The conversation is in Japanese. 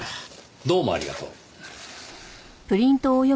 どうもありがとう。